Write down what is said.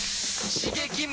刺激！